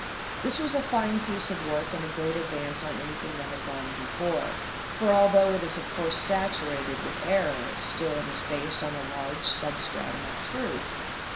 This was a fine piece of work, and a great advance on anything that had gone before; for although it is of course saturated with error, still it is based on a large substratum of truth.